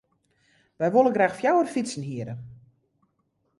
Wy wolle graach fjouwer fytsen hiere.